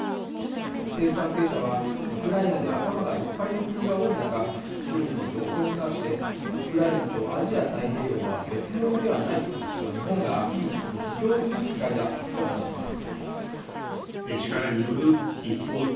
政府関係者は、ウクライナで頭がいっぱいの国が多い中中国の動向に関して、ウクライナとアジア太平洋は別物ではないと日本がアピールする非常にいい機会だと話します。